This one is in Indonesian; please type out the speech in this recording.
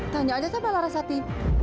tanya aja sama larasati